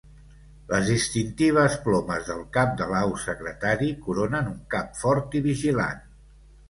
Les distintives plomes del cap de l'au secretari coronen un cap fort i vigilant.